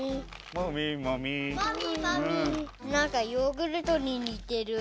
なんかヨーグルトににてる。